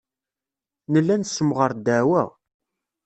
Nella nessemɣar ddeɛwa.